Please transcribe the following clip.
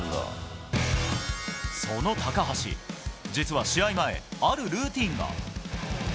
その高橋、実は試合前あるルーティンが。